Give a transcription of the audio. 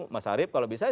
mas harif kalau bisa